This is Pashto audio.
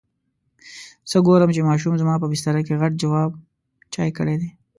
څه ګورم چې ماشوم زما په بستره کې غټ جواب چای کړی دی.